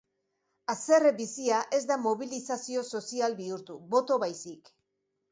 Haserre bizia ez da mobilizazio sozial bihurtu, boto baizik.